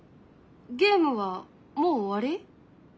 ゲームはもう終わり？